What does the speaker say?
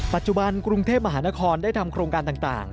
ปัจจุบันกรุงเทพมหานครได้ทำโครงการต่าง